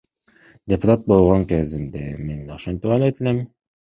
Депутат болгон кезимде мен да ошентип ойлойт элем.